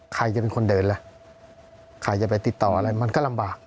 ใครจะเป็นคนเดินล่ะใครจะไปติดต่ออะไรมันก็ลำบาก